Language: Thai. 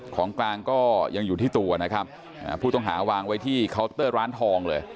ของกลางก็ยังอยู่ที่ตัวนะครับผู้ต้องหาวางไว้ที่เคาน์เตอร์ร้านทองเลย